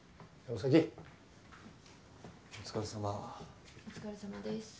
お疲れさまです。